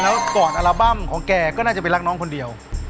แล้วก่อนอัลบั้มของแกก็น่าจะไปรักน้องคนเดียว